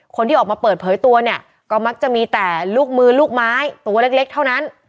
คนที่ออกมาเปิดเผยตัวเนี่ยก็มักจะมีแต่ลูกมือลูกไม้ตัวเล็กเท่านั้น